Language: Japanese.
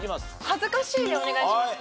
「はずかしい」でお願いします。